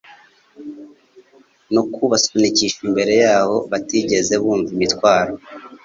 no kubasunika imbere yabo batigeze bumva imitwaro